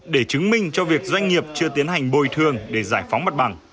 để chứng minh cho việc doanh nghiệp chưa tiến hành bồi thường để giải phóng mặt bằng